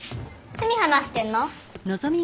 何話してんの？